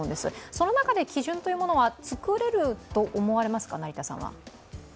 その中で基準というのは作れると思われますか。